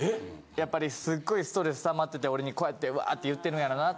やっぱりすっごいストレス溜まってて俺にこうやってワーッて言ってるんやろなと。